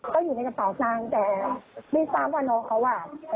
ก็อยู่ในกระเป๋าสตางค์แต่ไม่ทราบว่าน้องเขาอ่ะ